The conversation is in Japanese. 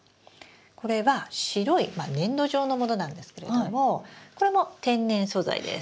これは白い粘土状のものなんですけれどもこれも天然素材です。